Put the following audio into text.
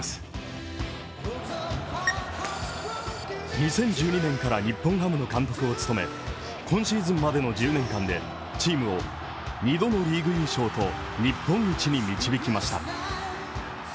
２０１２年から日本ハムの監督を務め、今シーズンまでの１０年間でチームを２度のリーグ優勝と日本一に導きました。